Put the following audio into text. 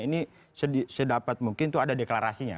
ini sedapat mungkin itu ada deklarasinya